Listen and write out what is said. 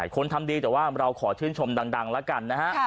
คนทำดีแต่ว่าเราขอชื่นชมดังแล้วกันนะฮะ